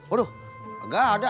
aduh agak ada